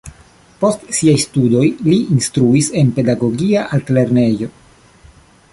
Post siaj studoj li instruis en pedagogia altlernejo.